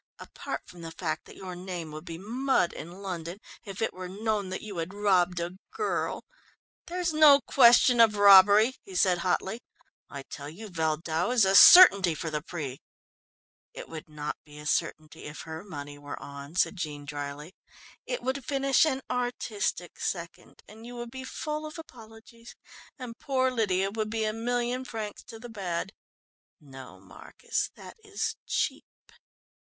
Apart from the fact that your name would be mud in London if it were known that you had robbed a girl " "There's no question of robbery," he said hotly, "I tell you Valdau is a certainty for the Prix." "It would not be a certainty if her money were on," said Jean dryly. "It would finish an artistic second and you would be full of apologies, and poor Lydia would be a million francs to the bad. No, Marcus, that is cheap."